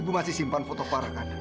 ibu masih simpan foto farah kan